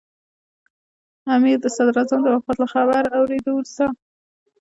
امیر د صدراعظم د وفات له خبر اورېدو وروسته.